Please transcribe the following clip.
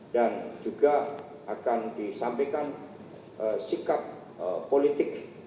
dan juga akan disampaikan sikap politik